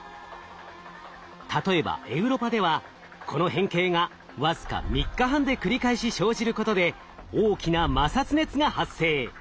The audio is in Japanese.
例えばエウロパではこの変形が僅か３日半で繰り返し生じることで大きな摩擦熱が発生。